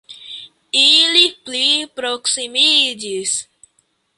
Ili pli proksimiĝis